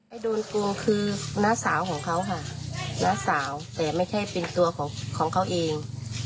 โดนโกงคือน้าสาวของเขาค่ะน้าสาวแต่ไม่ใช่เป็นตัวของเขาเอง